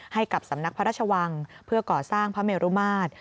ให้กับสำนักพระราชวังเพื่อก่อสร้างพระเมรุมาตร